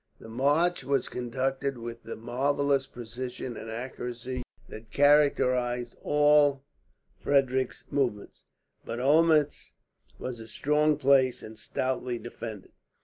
The march was conducted with the marvellous precision and accuracy that characterized all Frederick's movements, but Olmuetz was a strong place and stoutly defended.